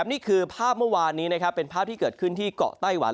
นี่คือภาพเมื่อวานนี้เป็นภาพที่เกิดขึ้นที่เกาะไต้หวัน